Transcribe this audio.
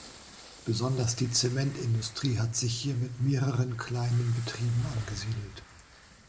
Besonders die Zementindustrie hat sich hier mit mehreren kleinen Betrieben angesiedelt.